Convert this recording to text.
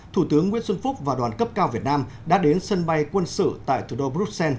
thủ tướng nguyễn xuân phúc và đoàn cấp cao việt nam đã đến sân bay quân sự tại thủ đô bruxelles